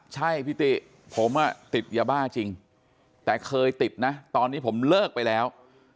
ใช่พี่ติผมติดยาบ้าจริงแต่เคยติดนะตอนนี้ผมเลิกไปแล้ว